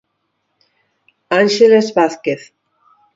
Ánxeles Vázquez.